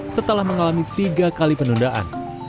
setelah mengalami tiga kali penundaan